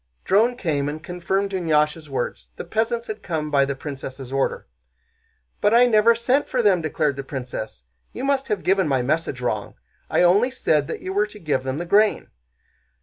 Dron came and confirmed Dunyásha's words; the peasants had come by the princess' order. "But I never sent for them," declared the princess. "You must have given my message wrong. I only said that you were to give them the grain."